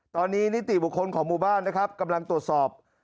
ตอนนี้นิติบุคคลของหมู่บ้านนะครับกำลังตรวจสอบ